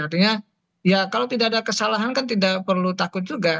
artinya ya kalau tidak ada kesalahan kan tidak perlu takut juga